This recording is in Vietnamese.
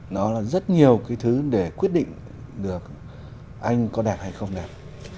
nó là rất nhiều cái thứ để quyết định được anh có đẹp hay không đẹp